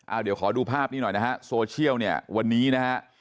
เอาเดี๋ยวขอดูภาพนี้หน่อยนะฮะโซเชียลเนี่ยวันนี้นะฮะ